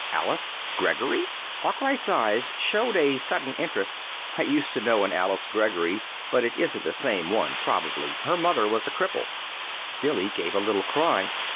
"Alice Greggory?" Arkwright's eyes showed a sudden interest. "I used to know an Alice Greggory, but it isn't the same one, probably. Her mother was a cripple." Billy gave a little cry.